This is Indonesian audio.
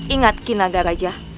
ingat kinaga raja